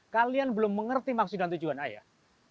kalian belum mengerti maksud dan tujuan ayah